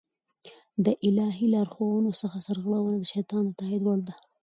د الهي لارښوونو څخه سرغړونه د شيطان د تائيد وړ ده